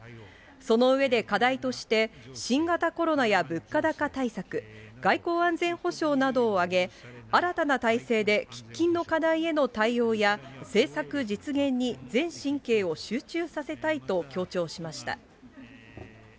その上で、課題として、新型コロナや物価高対策、外交安全保障などを挙げ、新たな体制で喫緊の課題への対応や政策実現に全神経を集中させたいと強調しました。